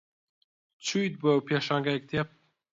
چوویت بۆ پێشانگای کتێب؟